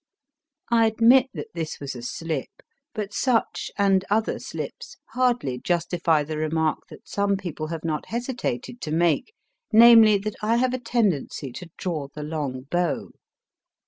I admit that this was a slip, but such, and other slips, hardly justify the remark that some people have not hesitated to make namely, that I have a tendency to draw the long bow.